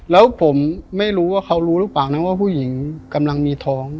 แล้วผมไม่รู้ว่าเขารู้หรือเปล่านะว่าผู้หญิงกำลังมีท้อง